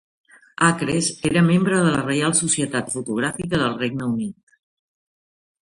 Acres era membre de la Reial Societat Fotogràfica del Regne Unit.